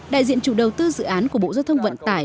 đại diện chủ đầu tư dự án của bộ giao thông vận tải